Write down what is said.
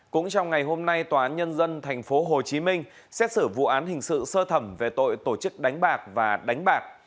cũng trong ngày hôm nay tòa án nhân dân tp hcm xét xử vụ án hình sự sơ thẩm về tội tổ chức đánh bạc và đánh bạc